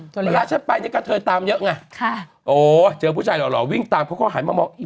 มาราะฉันไปกะเทยตำเยอะไงโหเจอผู้ชายรอดวิ่งตามเขาก็หายมามอง